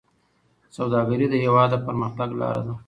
سوداګري د هېواد د پرمختګ لاره ده.